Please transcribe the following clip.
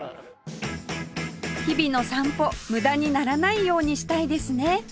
日々の散歩無駄にならないようにしたいですね